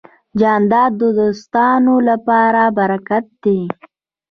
جانداد د دوستانو لپاره برکت دی.